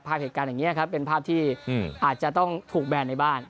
ภาพเหตุการณ์อย่างนี้ครับเป็นภาพที่อาจจะต้องถูกแบนในบ้าน